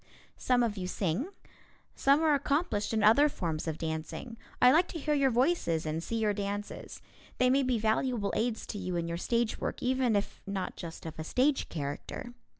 Some of you sing. Some are accomplished in other forms of dancing. I like to hear your voices and see your dances. They may be valuable aids to you in your stage work, even if not just of a stage character.